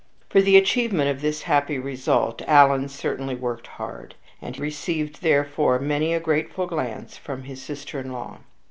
For the achievement of this happy result Alan certainly worked hard, and received therefor many a grateful glance from his sister in law.